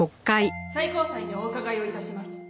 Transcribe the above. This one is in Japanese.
最高裁にお伺いを致します。